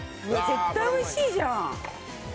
絶対おいしいじゃん！